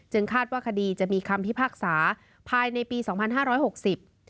คาดว่าคดีจะมีคำพิพากษาภายในปีสองพันห้าร้อยหกสิบ